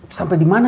iya pak tuhari